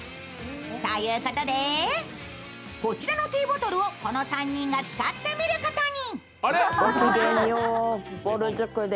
ということで、こちらのティーボトルをこの３人が使ってみることに。